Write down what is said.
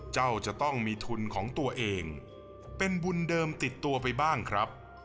จะต้องมีทุนของตัวเองเป็นบุญเดิมติดตัวไปบ้างครับ